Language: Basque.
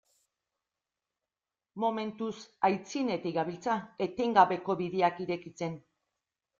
Momentuz aitzinetik gabiltza, etengabe bideak irekitzen.